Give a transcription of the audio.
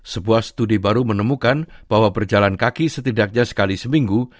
sebuah studi baru menemukan bahwa berjalan kaki setidaknya sekali seminggu